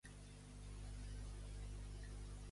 Havia estimat prèviament a algú tant?